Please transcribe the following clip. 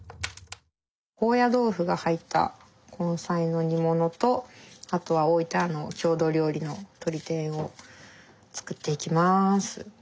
高野豆腐が入った根菜の煮物とあとは大分の郷土料理のとり天を作っていきます。